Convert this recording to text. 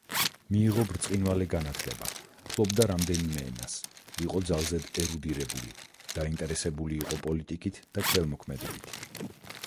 მიიღო ბრწყინვალე განათლება, ფლობდა რამდენიმე ენას, იყო ძალზედ ერუდირებული, დაინტერესებული იყო პოლიტიკით და ქველმოქმედებით.